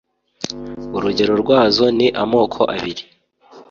Urugero rwazo ni amoko abiri